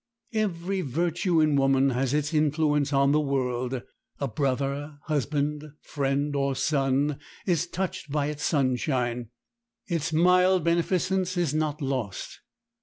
Every virtue in woman has its influence on the world. A brother, husband, friend, or son is touched by its sunshine. Its mild beneficence is not lost.